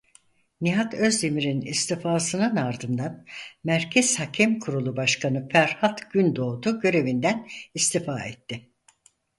Nihat Özdemir'in istifasının ardından Merkez Hakem Kurulu Başkanı Ferhat Gündoğdu görevinden istifa etti.